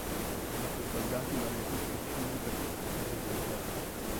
Anche i soldati vanno tutti uccisi per completare l'isola.